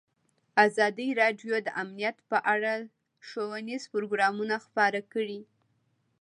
ازادي راډیو د امنیت په اړه ښوونیز پروګرامونه خپاره کړي.